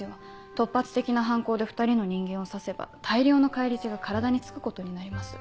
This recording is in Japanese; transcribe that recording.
突発的な犯行で２人の人間を刺せば大量の返り血が体につくことになります。